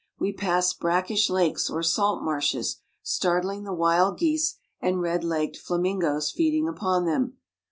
We pass brackish lakes or salt marshes, startling the wild geese and red legged flamingoes feeding upon them.